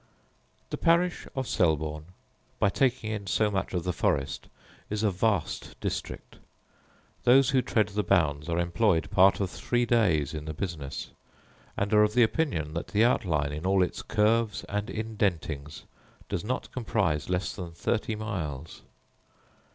The parish of Selborne, by taking in so much of the forest, is a vast district. Those who tread the bounds are employed part of three days in the business, and are of opinion that the outline, in all its curves and indentings, does not comprise less than thirty miles.